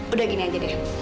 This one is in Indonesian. udah gini aja deh